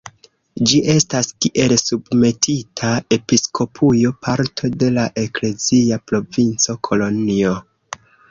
Ĝi estas kiel submetita episkopujo parto de la eklezia provinco Kolonjo.